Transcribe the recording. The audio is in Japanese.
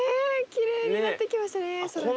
きれいになってきましたね空が。